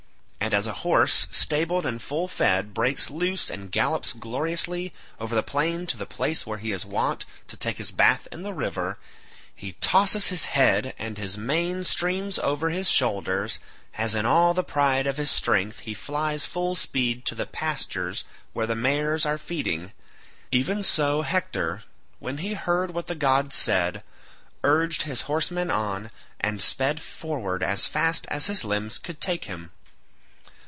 And as a horse, stabled and full fed, breaks loose and gallops gloriously over the plain to the place where he is wont to take his bath in the river—he tosses his head, and his mane streams over his shoulders as in all the pride of his strength he flies full speed to the pastures where the mares are feeding—even so Hector, when he heard what the god said, urged his horsemen on, and sped forward as fast as his limbs could take him.